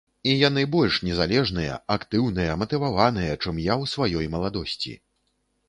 І яны больш незалежныя, актыўныя, матываваныя, чым я ў сваёй маладосці.